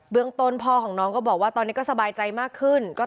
ต้นพ่อของน้องก็บอกว่าตอนนี้ก็สบายใจมากขึ้น